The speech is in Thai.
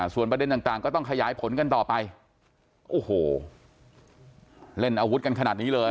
ส่วนประเด็นต่างก็ต้องขยายผลกันต่อไปโอ้โหเล่นอาวุธกันขนาดนี้เลย